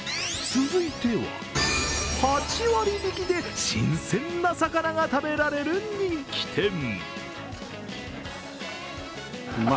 続いては、８割引きで新鮮な魚が食べられる人気店。